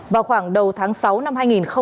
vào khoảng đầu tháng sáu năm hai nghìn hai mươi